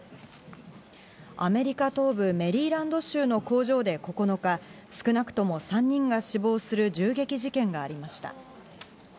アメリカ東部メリーランド州の工場で９日、少なくとも３人が死亡する銃撃事件がありました。